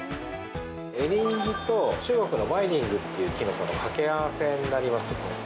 エリンギと、中国のバイリングっていうキノコのかけ合わせになりますね。